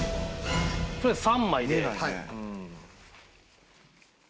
とりあえず３枚で。